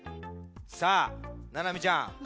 さあななみちゃん